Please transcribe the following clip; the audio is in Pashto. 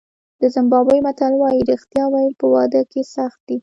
د زیمبابوې متل وایي رښتیا ویل په واده کې سخت دي.